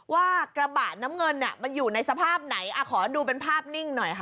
ว่ากระบะน้ำเงินมันอยู่ในสภาพไหนขอดูเป็นภาพนิ่งหน่อยค่ะ